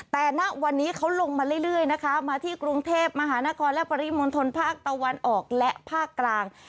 แต่ณวันนี้เขาลงมาเรื่อยนะคะมาที่กรุงเทพมหานครและปริมณฑลภาคตะวันออกและภาคกลาง